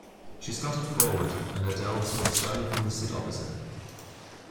She started forward, and Adele spoke sternly from the seat opposite.